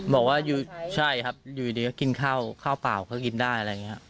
บอกว่าอยู่ใช่ครับอยู่ดีก็กินข้าวข้าวเปล่าก็กินได้อะไรอย่างนี้ครับ